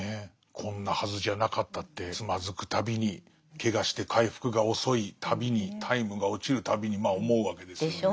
こんなはずじゃなかったってつまずくたびにけがして回復が遅いたびにタイムが落ちるたびにまあ思うわけですよね。でしょう。